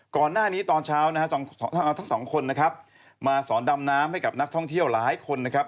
ก่อนหน้านี้ตอนเช้านะฮะเอาทั้งสองคนนะครับมาสอนดำน้ำให้กับนักท่องเที่ยวหลายคนนะครับ